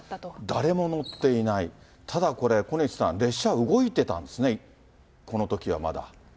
誰も乗っていない、ただこれ、小西さん、列車動いてたんですね、このときはまだ。